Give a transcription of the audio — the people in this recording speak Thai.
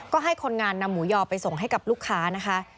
ก็ให้คนงานนำหมูยอไปส่งให้กับลูกค้านะคะ